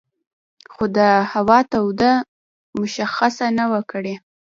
خو د هوا تودېدو مشخصه نه وه کړې